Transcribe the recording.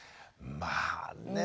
まあね。